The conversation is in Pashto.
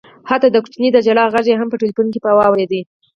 حتی د ماشوم د ژړا غږ یې هم په ټلیفون کي په واورېد